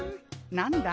何だ？